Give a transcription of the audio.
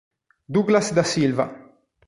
Douglas da Silva